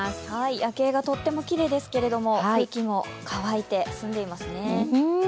夜景がとってもきれいですけど、空気も乾いて、澄んでますね。